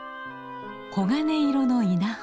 黄金色の稲穂。